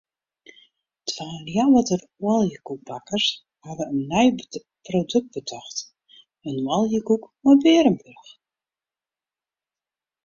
Twa Ljouwerter oaljekoekbakkers hawwe in nij produkt betocht: in oaljekoek mei bearenburch.